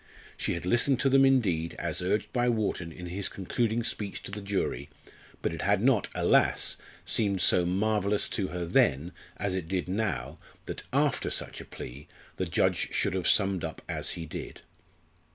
She had listened to them indeed, as urged by Wharton in his concluding speech to the jury, but it had not, alas! seemed so marvellous to her then, as it did now, that, after such a plea, the judge should have summed up as he did.